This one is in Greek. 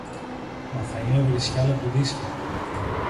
Μα θα είναι βρισιά αλεπουδίσια